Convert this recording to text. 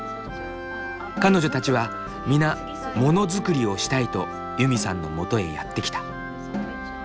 彼女たちは皆ものづくりをしたいとユミさんのもとへやって来た。